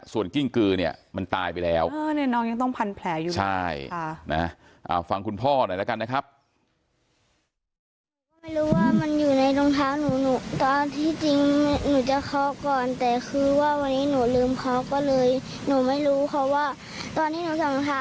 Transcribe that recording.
ส่วนกิ้งกือเนี่ยมันตายไปแล้วเนี่ยน้องยังต้องพันแผลอยู่นะใช่นะฮะ